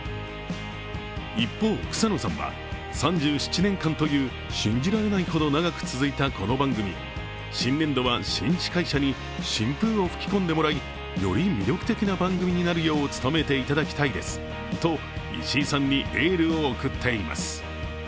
一方、草野さんは、３７年間という信じられないほど長く続いたこの番組、この番組、新年度は新司会者に新風を吹き込んでもらいより魅力的な番組になるよう努めてもらいたいですと石井さんにエールを送っています。